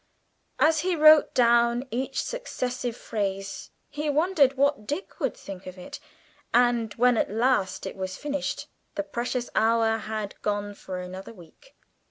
As he wrote down each successive phrase, he wondered what Dick would think of it, and when at last it was finished, the precious hour had gone for another week!